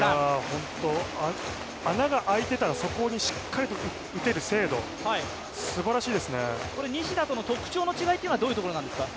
本当、穴が空いてたらそこにしっかりと打てる精度西田との特徴の違いはどういうところなんですか？